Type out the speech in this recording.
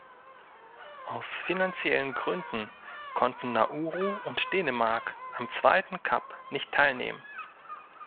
Aus finanziellen Gründen konnten Nauru und Dänemark am zweiten Cup nicht teilnehmen.